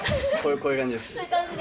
こういう感じで。